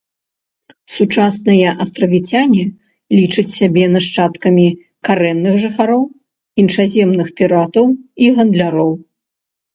Сучасныя астравіцяне лічаць сябе нашчадкамі карэнных жыхароў, іншаземных піратаў і гандляроў.